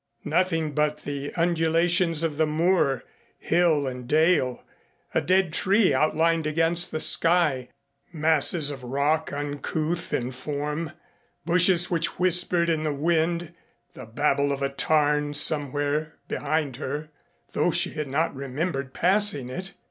Nothing but the undulations of the moor, hill and dale, a dead tree outlined against the sky, masses of rock uncouth in form, bushes which whispered in the wind, the babble of a tarn somewhere behind her, though she had not remembered passing it.